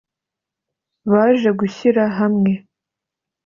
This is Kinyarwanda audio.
baje gushyira hamwe